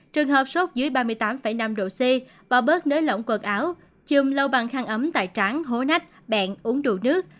trường hợp sốt dưới ba mươi tám năm độ c bỏ bớt nới lỏng quần áo chùm lâu bằng khăn ấm tài tráng hố nách bạn uống đủ nước